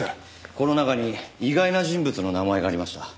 この中に意外な人物の名前がありました。